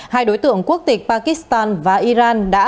hai đối tượng quốc tịch pakistan và iran đã